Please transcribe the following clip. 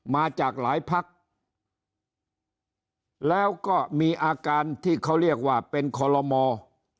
มาจากหลายพักแล้วก็มีอาการที่เขาเรียกว่าเป็นคอลโลมอร์